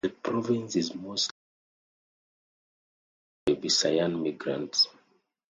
The province is mostly inhabited by Visayan migrants.